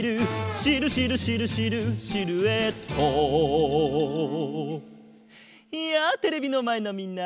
「シルシルシルシルシルエット」やあテレビのまえのみんな！